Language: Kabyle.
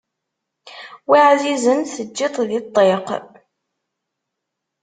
Wi εzizen teǧǧiḍ-t di ṭṭiq